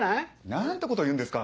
何てこと言うんですか！